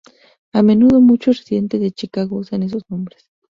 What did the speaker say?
A menudo, muchos residentes de Chicago usan esos nombres.